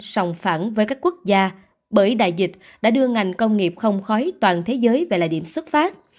sòng phẳng với các quốc gia bởi đại dịch đã đưa ngành công nghiệp không khói toàn thế giới về lại điểm xuất phát